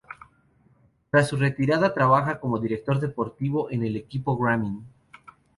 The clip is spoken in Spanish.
Tras su retirada trabaja como director deportivo en el equipo Garmin.